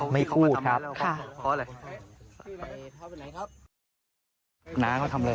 ไม่พูดครับ